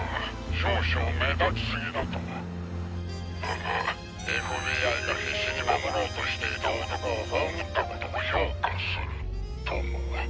少々目立ちすぎだとだがＦＢＩが必死に守ろうとしていた男を葬った事は評価するとも。